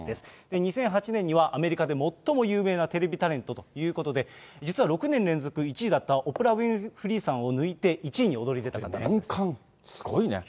２００８年には、アメリカで最も有名なテレビタレントということで、実は６年連続１位だったオプラ・ウィンフリーさんを抜いて、１位年間すごいね。